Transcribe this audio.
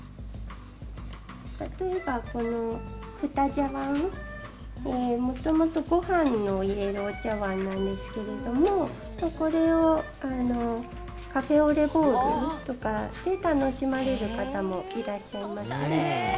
例えば、このふた茶わん、もともとごはんを入れるお茶わんなんですけれども、これをカフェオレボウルとかで楽しまれる方もいらっしゃいますし。